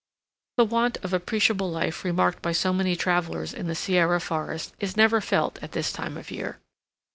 The want of appreciable life remarked by so many travelers in the Sierra forests is never felt at this time of year.